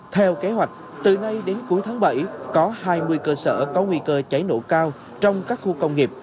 theo kế hoạch từ nay đến cuối tháng bảy có hai mươi cơ sở có nguy cơ cháy nổ cao trong các khu công nghiệp